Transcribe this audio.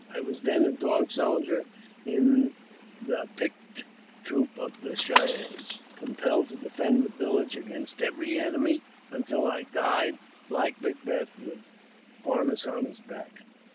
I was then a Dog Soldier in the picked troop of the Cheyennes, compelled to defend the village against every enemy until I died, like Macbeth, with harness on my back.